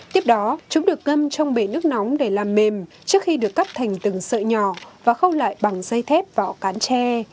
tiếp đó chúng được ngâm trong bể nước nóng để làm mềm trước khi được cắt thành từng sợi nhỏ và khâu lại bằng dây thép vỏ cán tre